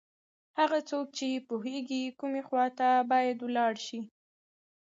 هغه څوک چې پوهېږي کومې خواته باید ولاړ شي.